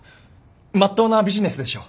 まっとうなビジネスでしょう？